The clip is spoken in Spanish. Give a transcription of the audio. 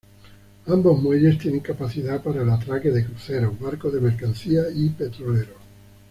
Ambos muelles tienen capacidad para el atraque de cruceros, barcos de mercancías y petroleros.